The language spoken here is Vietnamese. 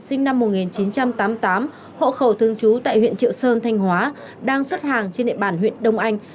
sinh năm một nghìn chín trăm tám mươi tám hộ khẩu thương chú tại huyện triệu sơn thanh hóa đang xuất hàng trên địa bàn huyện đông anh